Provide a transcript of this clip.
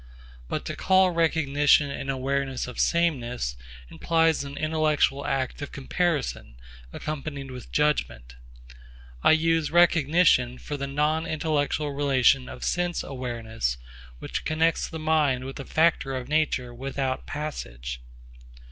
But to call recognition an awareness of sameness implies an intellectual act of comparison accompanied with judgment. I use recognition for the non intellectual relation of sense awareness which connects the mind with a factor of nature without passage.